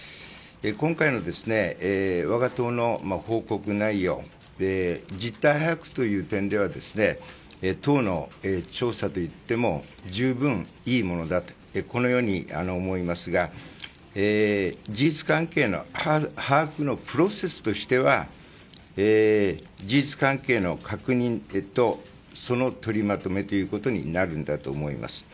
今回の我が党の報告内容で実態把握という点では党の調査といっても十分いいものだと思いますが事実関係の把握のプロセスとしては事実関係の確認とそのとりまとめということになるんだと思います。